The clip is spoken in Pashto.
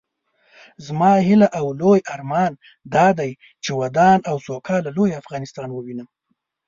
زما هيله او لوئ ارمان دادی چې ودان او سوکاله لوئ افغانستان ووينم